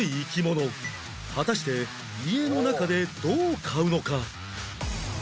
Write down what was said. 果たして家の中でどう飼うのか？